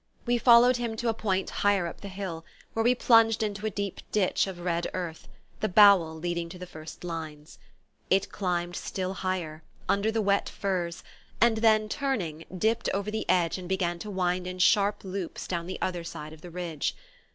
We followed him to a point higher up the hill, where we plunged into a deep ditch of red earth the "bowel" leading to the first lines. It climbed still higher, under the wet firs, and then, turning, dipped over the edge and began to wind in sharp loops down the other side of the ridge.